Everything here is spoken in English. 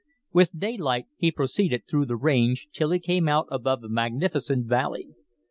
"With daylight, he proceeded through the range, till he came out above a magnificent valley.